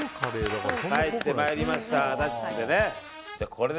帰ってまいりました。